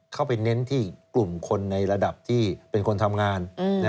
เน้นที่กลุ่มคนในระดับที่เป็นคนทำงาน